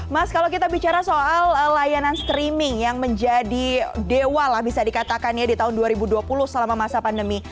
mas kalau kita bicara soal layanan streaming yang menjadi dewa lah bisa dikatakan ya di tahun dua ribu dua puluh selama masa pandemi